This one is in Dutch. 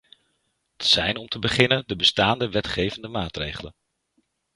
Dat zijn om te beginnen de bestaande wetgevende maatregelen.